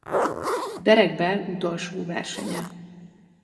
Derek Bell utolsó versenye.